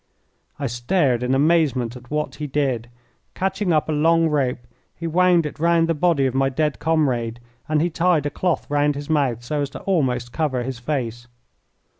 I stared in amazement at what he did. Catching up a long rope he wound it round the body of my dead comrade, and he tied a cloth round his mouth so as to almost cover his face.